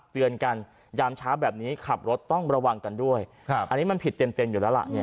เตือนกันยามเช้าแบบนี้ขับรถต้องระวังกันด้วยอันนี้มันผิดเต็มอยู่แล้วล่ะเนี่ย